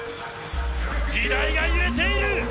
時代が揺れている！